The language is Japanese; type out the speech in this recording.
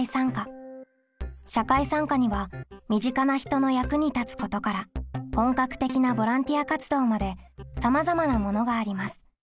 社会参加には身近な人の役に立つことから本格的なボランティア活動までさまざまなものがあります。